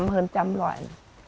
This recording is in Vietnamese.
một trăm linh hơn một trăm linh loại